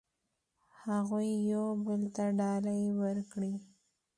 هغوی یو بل ته ډالۍ ورکړې.